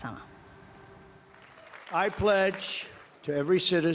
saya memuji kepada setiap warga negara kita